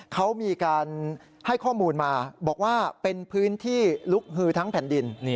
เขามีการให้ข้อมูลมาบอกว่าเป็นพื้นที่ลุกฮือทั้งแผ่นดิน